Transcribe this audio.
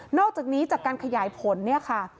อกจากนี้จากการขยายผลเนี่ยค่ะ